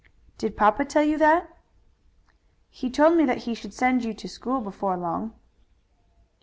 "Did papa tell you that?" "He told me that he should send you to school before long."